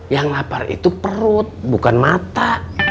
yang lapar itu perut bukan mata